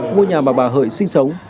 ngôi nhà mà bà hợi sinh sống